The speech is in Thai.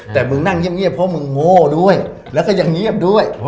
แต่มึงนั่งเงียบเพราะมึงโง่ด้วยแล้วก็ยังเงียบด้วย